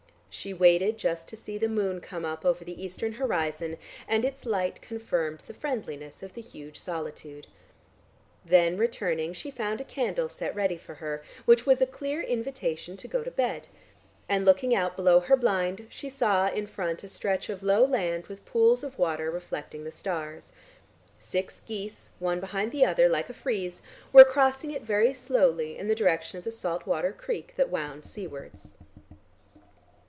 She waited just to see the moon come up over the eastern horizon and its light confirmed the friendliness of the huge solitude. Then returning, she found a candle set ready for her, which was a clear invitation to go to bed, and looking out below her blind she saw in front a stretch of low land with pools of water reflecting the stars. Six geese, one behind the other, like a frieze, were crossing it very slowly in the direction of the salt water creek that wound seawards.